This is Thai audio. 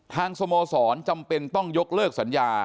สโมสรจำเป็นต้องยกเลิกสัญญา